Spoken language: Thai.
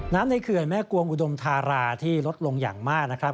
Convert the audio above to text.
ในเขื่อนแม่กวงอุดมธาราที่ลดลงอย่างมากนะครับ